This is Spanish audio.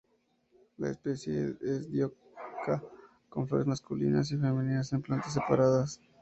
La especie es dioica, con flores masculinas y femeninas en plantas separadas.